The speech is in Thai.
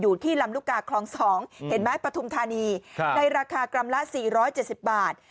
อยู่ที่ลำลูกกาคลอง๒เห็นไหมปทุมธานีในราคากลำละ๔๗๐บาท